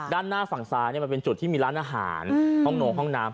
ด้านหน้าฝั่งซ้ายมันเป็นจุดที่มีร้านอาหารห้องโนห้องน้ำ